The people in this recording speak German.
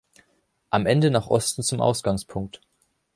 Am Ende nach Osten zum Ausgangspunkt.